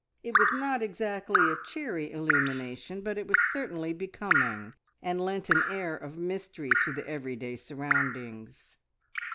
It was not exactly a "cheery" illumination, but it was certainly becoming, and lent an air of mystery to the everyday surroundings.